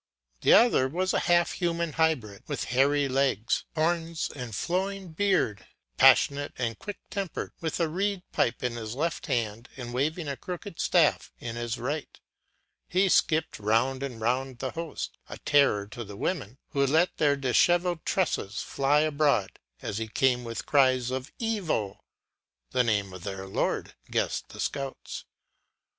The other was a half human hybrid, with hairy legs, horns, and flowing beard, passionate and quick tempered; with a reed pipe in his left hand, and waving a crooked staff in his right, he skipped round and round the host, a terror to the women, who let their dishevelled tresses fly abroad as he came, with cries of Evoe the name of their lord, guessed the scouts.